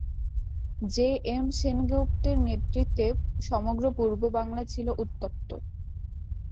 JM সেনগুপ্তের নেতৃত্বাধীনে সমগ্র পূর্ববাংলা ছিল উত্তপ্ত।